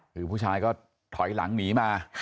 คือผู้ชายก็ถอยหลังหนีมา